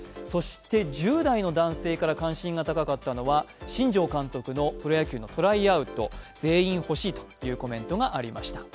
１０代の男性から関心が高かったのは新庄監督のプロ野球のトライアウト、全員欲しいというコメントがありました。